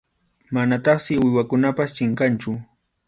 Manataqsi uywakunapas chinkanchu.